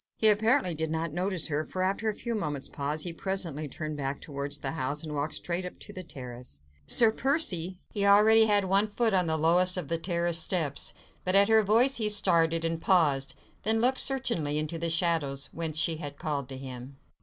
He apparently did not notice her, for, after a few moments' pause, he presently turned back towards the house, and walked straight up to the terrace. "Sir Percy!" He already had one foot on the lowest of the terrace steps, but at her voice he started, and paused, then looked searchingly into the shadows whence she had called to him.